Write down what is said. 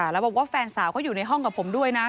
แล้วบอกว่าแฟนสาวก็อยู่ในห้องกับผมด้วยนะ